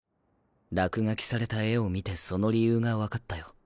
落書きされた絵を見てその理由が分かったよ。